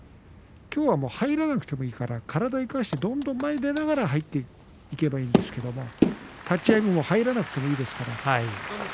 きょうは入らなくてもいいから体を生かしてどんどん前に出ていけばいいんですが立ち合い入らなくてもいいですから。